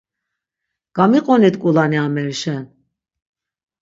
Gamiqonit ǩulani amerişen!